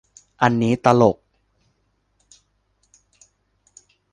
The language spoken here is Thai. อันนี้ตลก